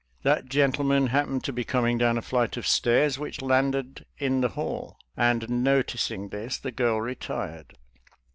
That gentleman hap pened to be coming down a flight of stairs which landed in the' hall, and, noticing this, the girl .retired.